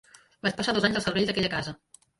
Vaig passar dos anys al servei d'aquella casa.